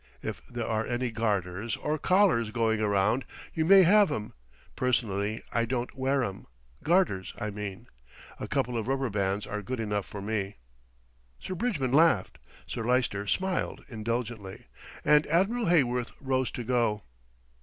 If there are any garters, or collars going around, you may have 'em, personally I don't wear 'em, garters, I mean. A couple of rubber bands are good enough for me." Sir Bridgman laughed, Sir Lyster smiled indulgently, and Admiral Heyworth rose to go.